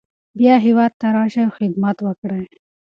بیا هیواد ته راشئ او خدمت وکړئ.